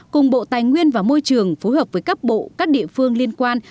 cùng bộ tài nguyên và môi trường phối hợp với các bộ các địa phương liên quan